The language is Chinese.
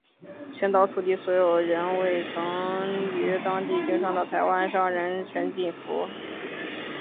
全岛土地所有人为曾于当地经商的台湾商人陈进福。